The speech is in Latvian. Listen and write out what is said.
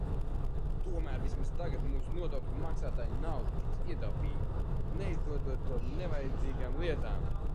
Tomēr vismaz tagad mūsu nodokļu maksātāju nauda tiks ietaupīta, neizdodot to nevajadzīgām lietām.